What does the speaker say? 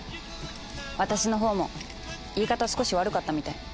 私のほうも言い方少し悪かったみたい。